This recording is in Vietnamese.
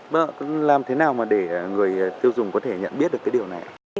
vâng ạ làm thế nào mà để người tiêu dùng có thể nhận biết được cái điều này ạ